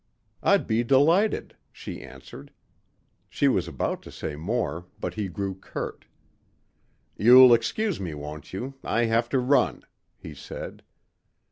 "I'd be delighted," she answered. She was about to say more but he grew curt. "You'll excuse me, won't you. I have to run," he said.